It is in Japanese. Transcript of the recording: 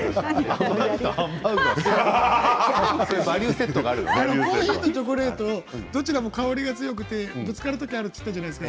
コーヒーとチョコレートどちらも香りが強くてぶつかることがあると言っていたじゃないですか。